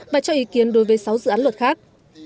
và cho ý kiến đối với sáu dự án luật khác